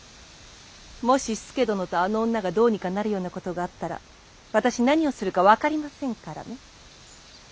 もし佐殿とあの女がどうにかなるようなことがあったら私何をするか分かりませんからね。